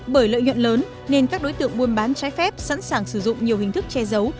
bởi lợi nhuận lớn nên các đối tượng buôn bán trái phép sẵn sàng sử dụng nhiều hình thức che giấu